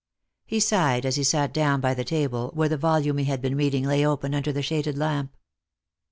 He sighed as he sat down by the table, where the volume he had been reading lay open under the shaded lamp.